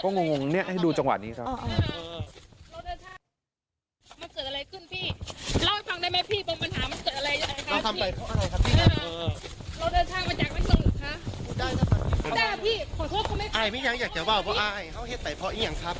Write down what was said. พี่ยังอยากจะบ่าวเพราะอายเขาเห็นแต่พออีกอย่างครับ